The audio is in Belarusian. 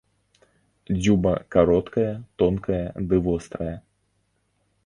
Дзюба кароткая, тонкая ды вострая.